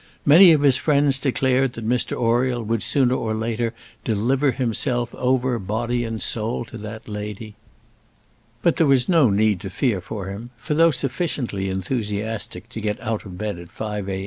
Many of his friends declared that Mr Oriel would sooner or later deliver himself over body and soul to that lady; but there was no need to fear for him: for though sufficiently enthusiastic to get out of bed at five a.